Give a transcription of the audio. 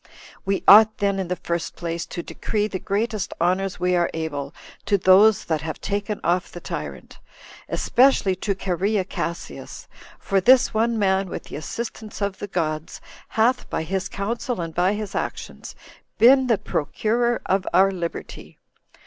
We ought, then, in the first place, to decree the greatest honors we are able to those that have taken off the tyrant, especially to Cherea Cassius; for this one man, with the assistance of the gods, hath, by his counsel and by his actions, been the procurer of our liberty.